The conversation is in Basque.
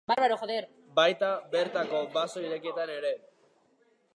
Baita bertako baso irekietan ere.